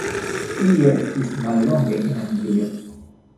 Ili restis mallonge en Anglio.